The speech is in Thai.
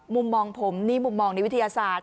มุมมองผมนี่มุมมองในวิทยาศาสตร์